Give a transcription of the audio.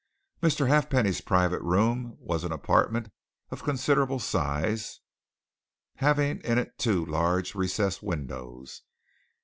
Mr. Halfpenny's private room was an apartment of considerable size, having in it two large recessed windows.